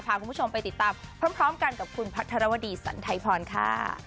พาคุณผู้ชมไปติดตามพร้อมกันกับคุณพัทรวดีสันไทยพรค่ะ